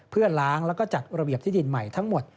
เพื่อล้างแล้วก็จัดระเบียบที่ดินใหม่ทั้งหมด